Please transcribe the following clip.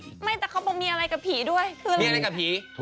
อ๋อดีเนี่ยแต่เขามีอะไรกับผีด้วยมีอะไรกับผี